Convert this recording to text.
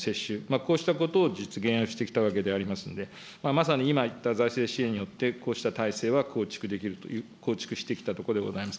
こうしたことを実現をしてきたわけでありますんで、まさに今言った財政支援によって、こうした体制は構築できる、構築してきたところでございます。